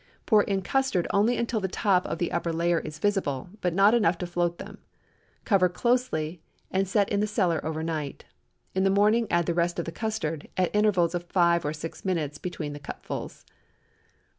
Pour in custard until only the top of the upper layer is visible, but not enough to float them; cover closely and set in the cellar over night. In the morning add the rest of the custard, at intervals of five or six minutes between the cupfuls.